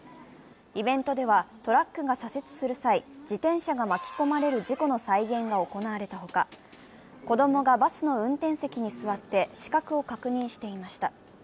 イベントではトラックが左折する際、自転車が巻き込まれる事故の再現が行われたほか子供がバスの運転席に座って、死角を確認していました。